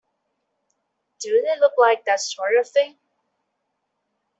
Do they look like that sort of thing?